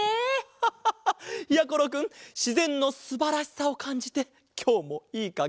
ハハハやころくんしぜんのすばらしさをかんじてきょうもいいかげしてますよ。